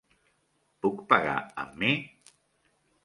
Puc pagar amb mi?